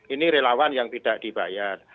ini relawan yang tidak dibayar